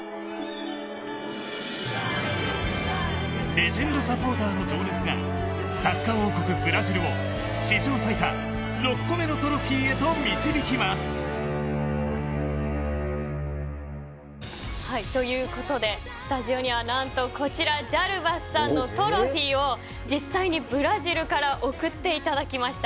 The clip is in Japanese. レジェンドサポーターの情熱がサッカー王国・ブラジルを史上最多６個目のトロフィーへと導きます。ということでスタジオには何とこちらジャルバスさんのトロフィーを実際にブラジルから送っていただきました。